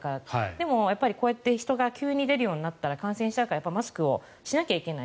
でも、こうやって人が急に出るようになったら感染しちゃうからマスクをしなきゃいけない。